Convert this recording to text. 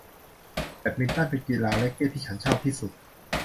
แบดมินตันเป็นกีฬาแร็คเก็ทที่ฉันชอบที่สุด